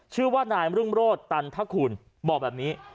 ชื่อว่านายมรึ้งโรฑตันถะขูลบอกแบบนี้